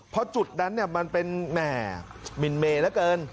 เพราะจุดนั้นมันเป็นแหม่มินเมเหลือเกิน